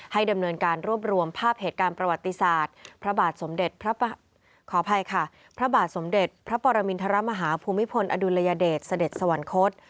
ให้ดำเนินการรวบรวมภาพเหตุการณ์ประวัติศาสตร์พระบาทสมเด็จพระปรมินทรมาฮาภูมิพลอดุลัยเดชเศรษฐสวรรคต